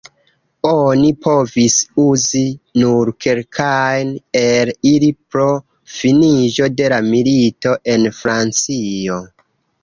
Oni povis uzi nur kelkajn el ili pro finiĝo de la milito, en Francio.